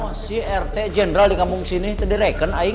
masih rt general dikampung sini cedereken aing